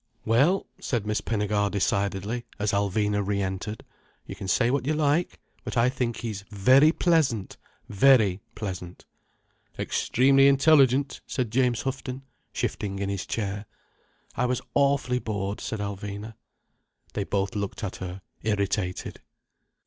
"Well," said Miss Pinnegar decidedly, as Alvina re entered. "You can say what you like—but I think he's very pleasant, very pleasant." "Extremely intelligent," said James Houghton, shifting in his chair. "I was awfully bored," said Alvina. They both looked at her, irritated.